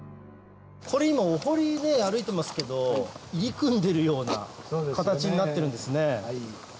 これ今お堀歩いてますけど入り組んでるような形になってるんですね。